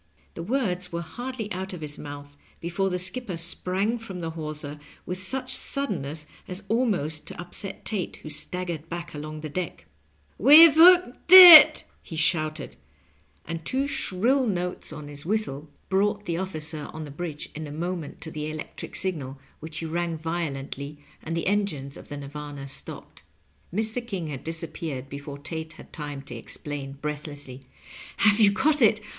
The words were hardly out of his mouth before the skipper sprang from the hawser with such suddenness as almost to upset Tate, who staggered back along the deck. "We've hooked it!" he shouted. And two shrill notes Digitized by VjOOQIC 200 LOYE AJn) UGHTmUfQ. on his whistle brought the officer on the bridge in a moment to the electric signal, which he rang violently, and the engines of the Nvrvwna stopped. Mr. King had disappeared before Tate had time to exclaim, breathlessly, ^^ Have you got it